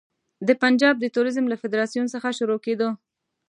د پنجاب د توریزم له فدراسیون څخه شروع کېدو.